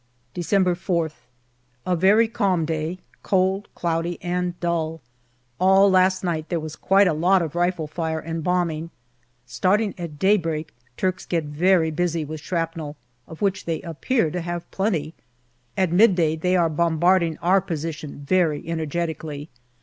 December 4>th. A very calm day, cold, cloudy, and dull. All last night there was quite a lot of rifle fire and bombing. Starting at daybreak, Turks get very busy with shrapnel, of which they appear to have plenty. At midday they are bom barding our position very energetically.